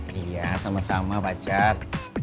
iya sama sama pacar